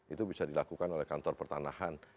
itu bisa dilakukan oleh kantor pertanahan